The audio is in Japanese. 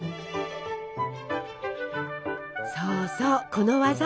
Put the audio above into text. そうそうこの技！